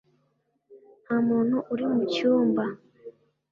nta muntu uri mu cyumba